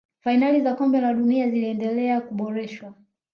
fainali za kombe la dunia ziliendelea kuboreshwa